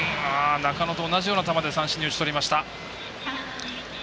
中野と同じような球で三振に打ち取りました。